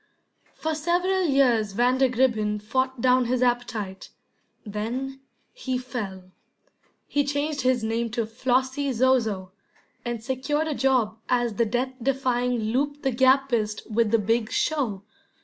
For several years Vandergribbin fought down his appetite. Then he fell. He changed his name to Flossy Zozo, and secured a job as the death defying loop the gappist with the big show.